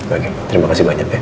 oke terima kasih banyak ya